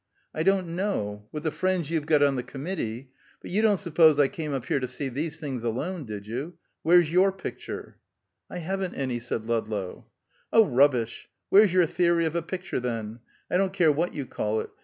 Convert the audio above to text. "I don't know. With the friends you've got on the Committee But you don't suppose I came up here to see these things alone, did you? Where's your picture?" "I haven't any," said Ludlow. "Ob, rubbish! Where's your theory of a picture, then? I don't care what you call it.